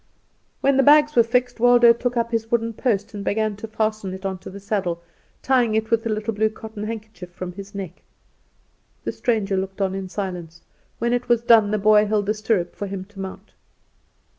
When the bags were fixed, Waldo took up his wooden post and began to fasten it on to the saddle, tying it with the little blue cotton handkerchief from his neck. The stranger looked on in silence. When it was done the boy held the stirrup for him to mount.